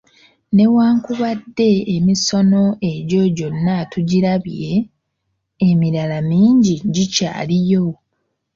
Ne wankubadde emisono egyo gyonna tugirabye, emirala mingi gikyaliyo.